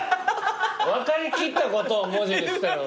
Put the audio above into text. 分かりきったことを文字にしてる。